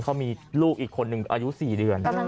เขามีลูกอีกคนนึงอายุ๔เดือน